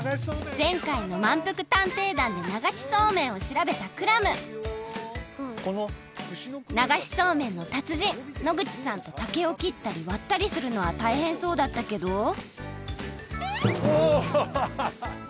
ぜんかいのまんぷく探偵団で流しそうめんを調べたクラム流しそうめんの達人野口さんと竹をきったりわったりするのは大変そうだったけどおおアハハ！